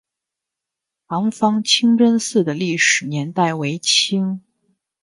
塘坊清真寺的历史年代为清。